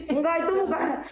engga itu bukan